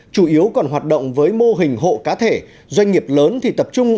chủ yếu còn hoạt động với mô hình hộ cá thể doanh nghiệp lớn thì tập trung